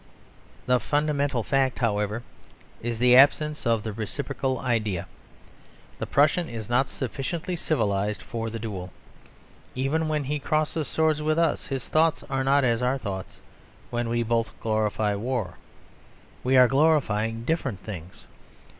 The fundamental fact, however, is the absence of the reciprocal idea. The Prussian is not sufficiently civilised for the duel. Even when he crosses swords with us his thoughts are not as our thoughts; when we both glorify war, we are glorifying different things.